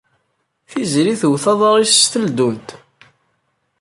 Tiziri twet aḍar-is s teldunt.